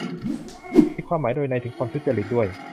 มีความหมายโดยนัยถึงความทุจริตด้วย